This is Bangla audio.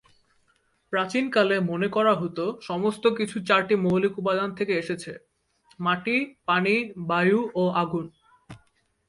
প্রাচীনকালে মনে করা হতো সমস্ত কিছু চারটি মৌলিক উপাদান থেকে এসেছে; মাটি, পানি, বায়ু ও আগুন।